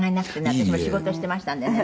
私も仕事してましたんでね。